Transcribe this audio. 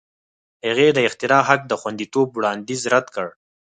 هغې د اختراع حق د خوندیتوب وړاندیز رد کړ.